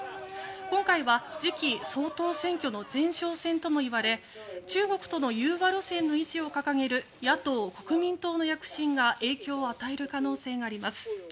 今回は、次期総統選挙の前哨戦ともいわれ中国との融和路線の維持を掲げる野党・国民党の躍進が影響を与える可能性があります。